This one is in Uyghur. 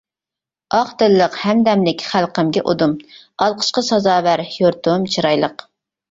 ئاق دىللىق، ھەمدەملىك خەلقىمگە ئۇدۇم، ئالقىشقا سازاۋەر يۇرتۇم چىرايلىق.